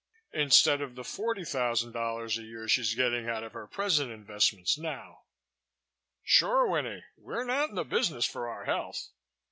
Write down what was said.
"Instead of the $40,000 a year she's getting out of her present investments now." "Sure, Winnie. We're not in business for our health.